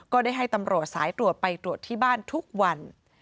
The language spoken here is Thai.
ได้ให้ตำรวจสายตรวจไปตรวจที่บ้านทุกวัน